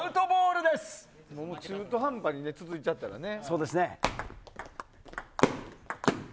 中途半端に続いちゃったらね。